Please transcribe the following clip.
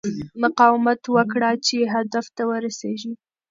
مقاومت وکړه چې هدف ته ورسېږې.